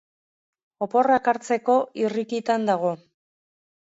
Oporrak hartzeko irrikitan dago